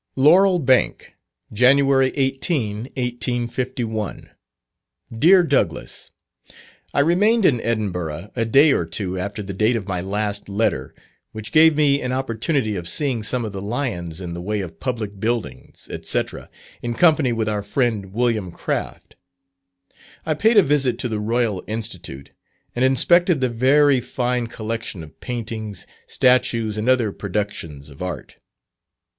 LAUREL BANK, Jan. 18, 1851. Dear Douglass, I remained in Edinburgh a day or two after the date of my last letter, which gave me an opportunity of seeing some of the lions in the way of public buildings, &c., in company with our friend Wm. Craft. I paid a visit to the Royal Institute, and inspected the very fine collection of paintings, statues, and other productions of art.